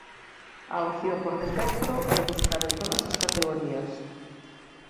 A opción por defecto é buscar en todas as categorías.